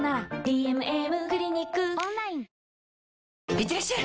いってらっしゃい！